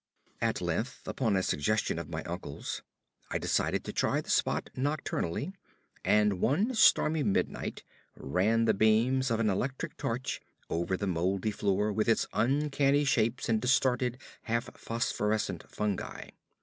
At length, upon a suggestion of my uncle's, I decided to try the spot nocturnally; and one stormy midnight ran the beams of an electric torch over the moldy floor with its uncanny shapes and distorted, half phosphorescent fungi.